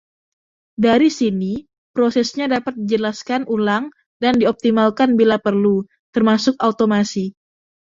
Dari sini prosesnya dapat dijelaskan ulang dan dioptimalkan bila perlu, termasuk automasi.